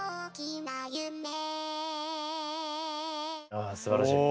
ああすばらしい。